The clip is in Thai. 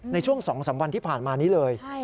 ในช่วง๒๓วันที่ผ่านมานี้เลย